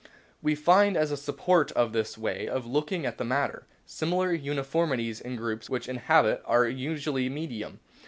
We find as a support of this way of looking at the matter similar uniformities in groups which inhabit an un usual medium.